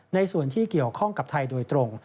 ในส่วนที่เกี่ยวข้องกับไทยโดยตรง